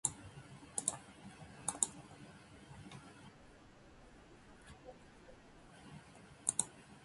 コンプライアンスの徹底を求める